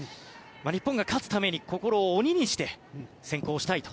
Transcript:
日本が勝つために心を鬼にして選考したいと。